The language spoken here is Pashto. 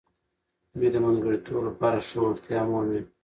دوی د منځګړیتوب لپاره ښه وړتیا مومي.